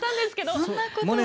そんなことは。